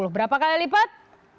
berapa kali lipat